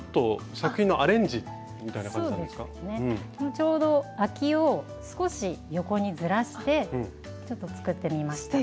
ちょうどあきを少し横にずらしてちょっと作ってみました。